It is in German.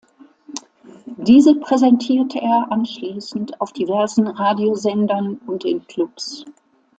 Diese präsentierte er anschließend auf diversen Radiosendern und in Clubs.